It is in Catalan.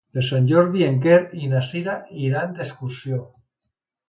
Per Sant Jordi en Quer i na Cira iran d'excursió.